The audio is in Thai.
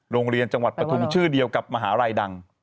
โรงเรียนจังหวัดปฐุมชื่อเดียวกับมหาลัยดัง